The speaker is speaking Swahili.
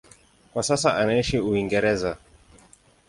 Kwa sasa anaishi Uingereza.